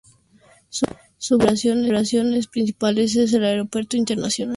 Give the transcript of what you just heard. Su base de operaciones principal es el Aeropuerto Internacional de Almaty.